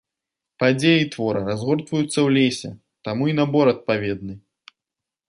Падзеі твора разгортваюцца ў лесе, таму і набор адпаведны.